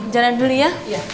jalan dulu ya